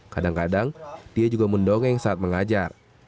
kadang kadang dia juga mendongeng saat mengajar